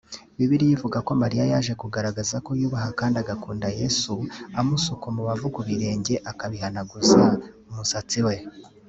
Bibiliya ivuga ko Mariya yaje kugaragaza ko yubaha kandi agakunda Yesu amusuka umubavu ku birenge akabihanaguza umusatsi we